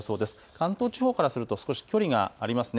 関東地方からすると少し距離がありますね。